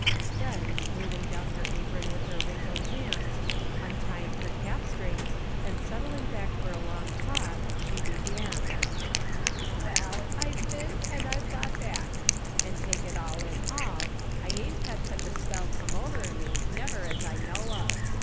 Then smooth ing down her apron with her wrinkled hands, untying her cap strings and settling back for a long talk, she began, " Well, I've been, and I've got back ; and take it all in all, I ain't had such a spell come over me never as I know of.